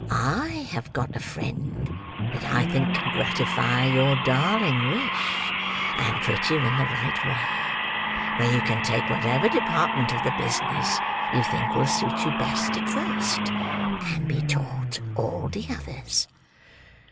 "I have got a friend that I think can gratify your darling wish, and put you in the right way, where you can take whatever department of the business you think will suit you best at first, and be taught all the others."